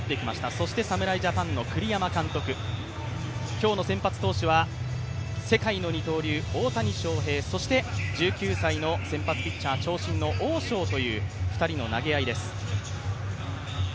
そして侍ジャパンの栗山監督、今日の先発投手は世界の二刀流大谷翔平、そして１９歳の長身のオウ・ショウという２人の投げ合いです。